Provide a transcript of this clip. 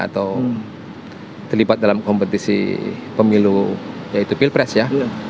atau terlibat dalam kompetisi pemilu yaitu pilpres ya